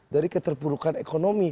dari keterpurukan ekonomi